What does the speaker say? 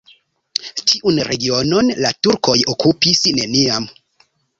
Tiun regionon la turkoj okupis neniam.